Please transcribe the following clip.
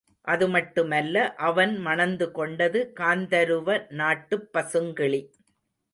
அது மட்டுமல்ல அவன் மணந்து கொண்டது காந்தருவ நாட்டுப் பசுங்கிளி.